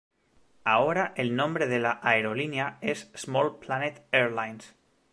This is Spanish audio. Ahora el nombre de la aerolínea es Small Planet Airlines.